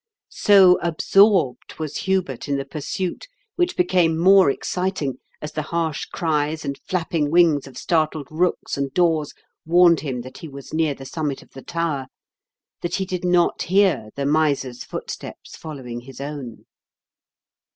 So absorbed was Hubert in the pursuit, which became more exciting as the harsh cries and flapping wings of startled rooks and daws warned him that he was near the summit of the tower, that he did not hear the miser's footsteps foUowing his own.